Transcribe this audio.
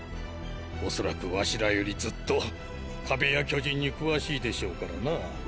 恐らくワシらよりずっと壁や巨人に詳しいでしょうからな。